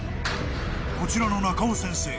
［こちらの中尾先生